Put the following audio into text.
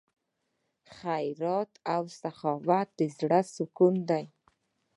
خیرات او سخاوت د زړه سکون دی.